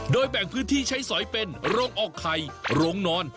โดยแบ่งพื้นที่ใช้สอยเป็นโรงออกไข่โรงนอน